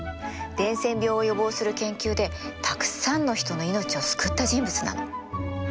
伝染病を予防する研究でたくさんの人の命を救った人物なの。